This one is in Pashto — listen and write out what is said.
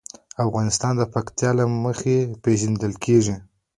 افغانستان د پکتیکا له مخې پېژندل کېږي.